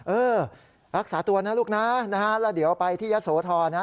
เออรักษาตัวนะลูกนะแล้วเดี๋ยวไปที่ยัทธ์โสธรนะ